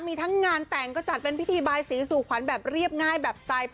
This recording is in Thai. มีทั้งงานแต่งก็จัดเป็นพิธีบายสีสู่ขวัญแบบเรียบง่ายแบบใจ